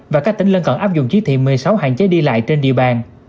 và các tỉnh lân cận áp dụng chí thị một mươi sáu hạn chế đi lại trên địa bàn